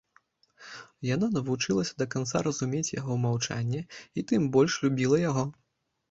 Яна навучылася да канца разумець яго маўчанне і тым больш любіла яго.